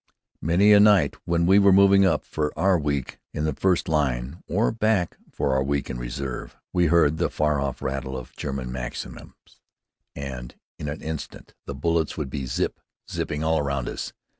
Many a night when we were moving up for our week in the first line, or back for our week in reserve, we heard the far off rattle of German Maxims, and in an instant, the bullets would be zip zipping all around us.